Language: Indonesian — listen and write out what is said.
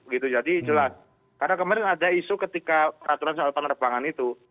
karena kemarin ada isu ketika aturan soal penerbangan itu